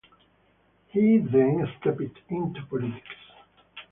He then stepped into politics.